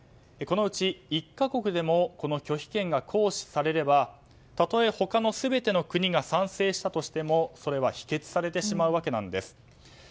このうち１か国でもこの拒否権が行使されればたとえ、他の全ての国が賛成したとしてもそれは否決されてしまう訳なんです。